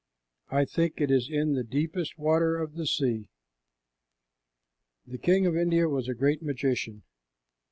I think it is in the deepest water of the sea." This king of India was a great magician.